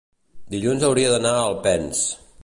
dilluns hauria d'anar a Alpens.